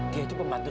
dia itu pembantu